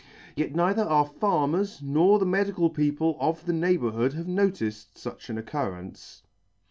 Yet neither our farmers nor the medical people of the neighbourhood have noticed fuch an occurrence.